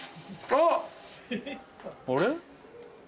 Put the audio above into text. あれ？